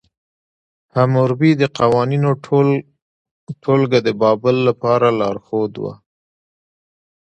حموربي د قوانینو ټولګه د بابل لپاره لارښود وه.